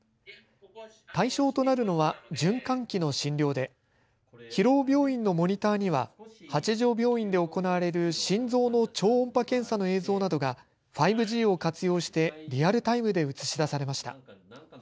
対象となるのは循環器の診療で広尾病院のモニターには八丈病院で行われる心臓の超音波検査の映像などが５Ｇを活用してリアルタイムで映し出されました。